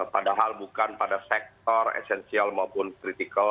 padahal bukan pada sektor esensial maupun kritikal